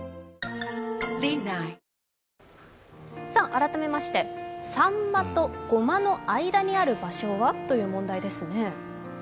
改めまして、サンマとゴマの間にある場所は？という問題ですね。